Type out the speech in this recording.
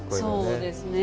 そうですね。